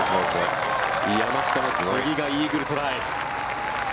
山下も次がイーグルトライ。